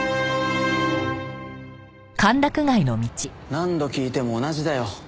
何度聞いても同じだよ。